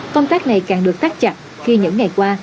công tác này càng được tắt chặt khi những ngày qua